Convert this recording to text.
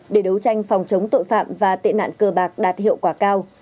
để đấu tranh phòng chống tội phạm và tiền nạn cờ bạc đạt hiệu quả cao